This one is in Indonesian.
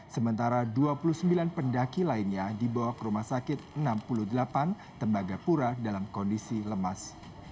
sementara dua puluh sembilan pendaki lainnya dibawa ke rumah sakit enam puluh delapan tembagapura dalam kondisi lemas